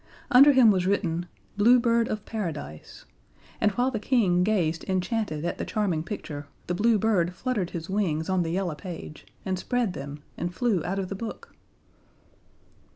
Under him was written, "Blue Bird of Paradise," and while the King gazed enchanted at the charming picture the Blue Bird fluttered his wings on the yellow page and spread them and flew out of the book.